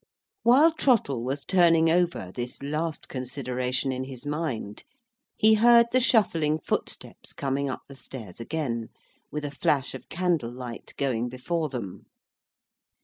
While Trottle was turning over this last consideration in his mind, he heard the shuffling footsteps come up the stairs again, with a flash of candle light going before them.